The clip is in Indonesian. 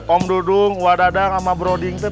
om dudung wadadang sama broding tuh